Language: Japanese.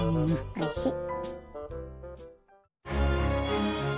おいしっ。